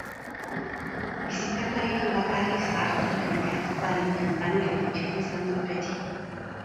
Bizitakoarekin bakarrik zahartzaroa elikatzeko adina banuela pentsatu izan dut beti.